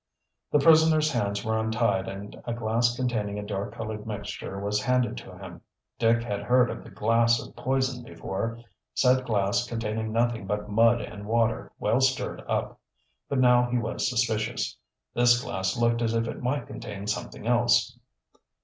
The prisoner's hands were untied and a glass containing a dark colored mixture was handed to him. Dick had heard of the "glass of poison" before, said glass containing nothing but mud and water well stirred up. But now he was suspicious. This glass looked as if it might contain something else.